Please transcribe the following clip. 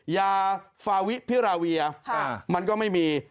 ยาฟาวิพิราเวียมันก็ไม่มี